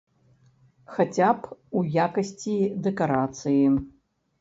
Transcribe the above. Хаця б у якасці дэкарацыі.